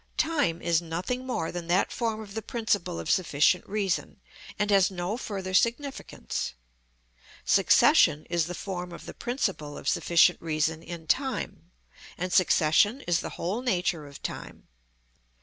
Time is nothing more than that form of the principle of sufficient reason, and has no further significance. Succession is the form of the principle of sufficient reason in time, and succession is the whole nature of time.